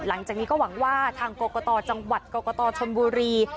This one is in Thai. หลังจากนี้ก็หวังว่าทางกรกตจังหวัดกรกตชนบุรี